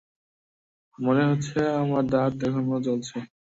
মনে হচ্ছে আমার দাঁত এখনও জ্বলছে।